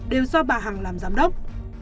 đều do bà hằng làm giám đốc